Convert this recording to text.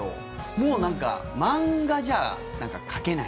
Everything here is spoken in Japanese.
もう漫画じゃ描けない。